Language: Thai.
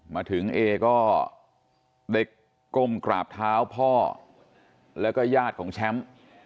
มาถึงเอก็เด็กก้มกราบเท้าพ่อแล้วก็ญาติของแชมป์